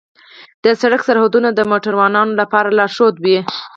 د سړک سرحدونه د موټروانو لپاره لارښود وي.